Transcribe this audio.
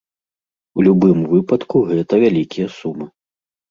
У любым выпадку гэта вялікія сумы.